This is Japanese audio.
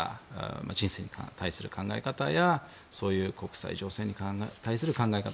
人生に対する考え方や国際情勢に対する考え方